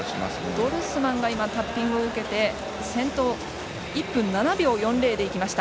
ドルスマンがタッピングを受けて先頭、１分７秒４０でいきました。